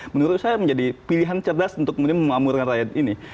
menurut saya menjadi pilihan cerdas untuk memamurkan rakyat ini